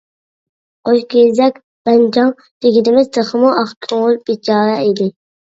«قوشكېزەك بەنجاڭ» دېگىنىمىز تېخىمۇ ئاق كۆڭۈل بىچارە ئىدى.